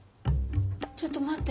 ちょっと待って。